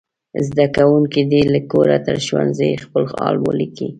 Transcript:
زده کوونکي دې له کوره تر ښوونځي خپل حال ولیکي.